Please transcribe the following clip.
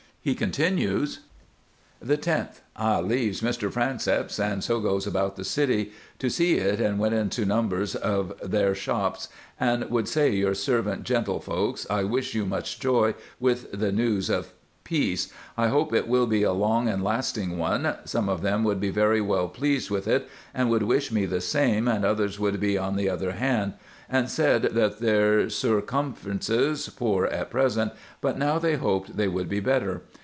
He con tinues : "The loth. I Leaves Mr. Franceps and so goes about the City to se it and went into Nombers of there shopes and would say your servent gentlefollcs, I wish you much Joy with the nuse of peace, I hope it will be a long and a lasting one, some of them would be Very well pleased with it and would wish me the same (and others would be on the other hand) and said that their surcomstances poor at preasent but now they hoped they would be better.